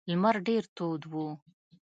لمر ډیر تود و.